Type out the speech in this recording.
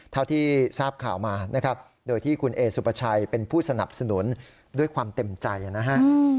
เท่าที่ทราบข่าวมานะครับโดยที่คุณเอสุปชัยเป็นผู้สนับสนุนด้วยความเต็มใจนะฮะ